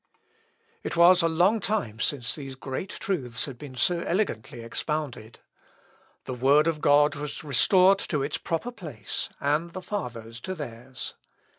] It was a long time since these great truths had been so elegantly expounded. The Word of God was restored to its proper place, and the Fathers to theirs.